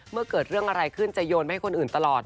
เกิดเรื่องอะไรขึ้นจะโยนไปให้คนอื่นตลอด